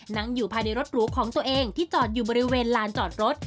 นั่งอยู่ภายในรถหรูของตัวเองที่จอดอยู่บริเวณลานจอดรถ